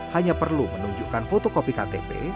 hanya perlu menunjukkan fotokopi ktp